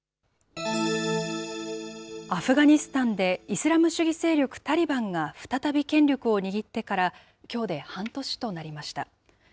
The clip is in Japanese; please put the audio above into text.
アフガニスタンで、イスラム主義勢力タリバンが再び権力を握ってから、きょうで半年となりました。